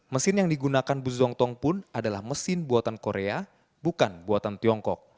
mesin yang digunakan buzzongtong pun adalah mesin buatan korea bukan buatan tiongkok